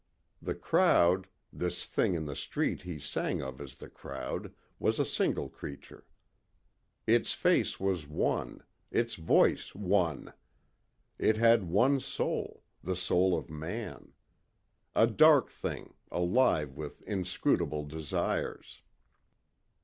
The crowd ... this thing in the street he sang of as the crowd was a single creature. Its face was one, its voice one. It had one soul the soul of man. A dark thing, alive with inscrutable desires.